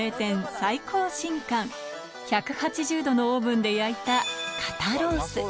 １８０度のオーブンで焼いた肩ロース